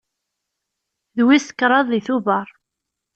D wis kraḍ deg Tubeṛ.